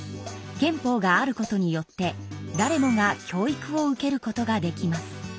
憲法があることによって誰もが教育を受けることができます。